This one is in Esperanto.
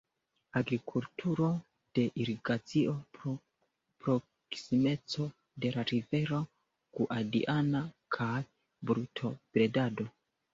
Agrikulturo de irigacio pro proksimeco de la rivero Guadiana kaj brutobredado.